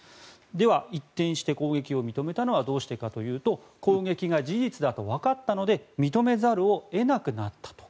では、一転して攻撃を認めたのはどうしてかというと攻撃が事実だとわかったので認めざるを得なくなったと。